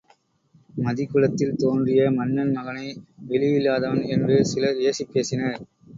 மதிகுலத்தில் தோன்றிய மன்னன் மகனை விழியில்லாதவன் என்று சிலர் ஏசிப் பேசினர்.